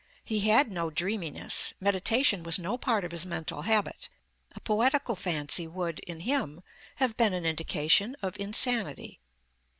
He had no dreaminess; meditation was no part of his mental habit; a poetical fancy would, in him, have been an indication of insanity.